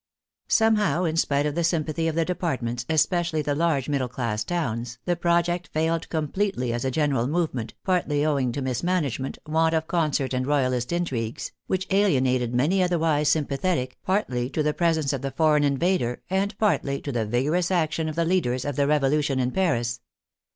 Somehow, in spite of the sympathy of the departments, especially the large middle class towns, the project failed completely as a general movement, partly owing to mismanagement, want of con cert and Royalist intrigues, which alienated many other wise sympathetic, partly to the presence of the foreign invader, and partly to the vigorous action of the leaders of the Revolution in Paris.